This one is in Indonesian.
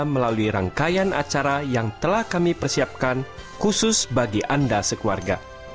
melalui rangkaian acara yang telah kami persiapkan khusus bagi anda sekeluarga